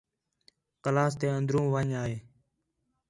کلاس تے اندر ون٘ڄ آ ہے